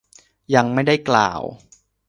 ยังไม่ได้กล่าว